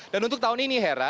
dan untuk tahun ini hera